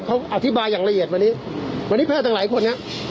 เขาอธิบายอย่างละเอียดวันนี้วันนี้แพทย์ทั้งหลายคนครับ